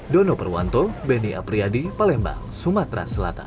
dono perwanto beni apriadi palembang sumatera selatan